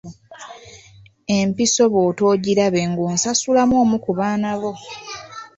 Empiso bw'otoogirabe ng'onsasulamu omu ku baana bo.